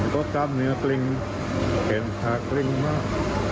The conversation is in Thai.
ก็จ้ามเนื้อกลิ่งเกณฑาเกล็งมาก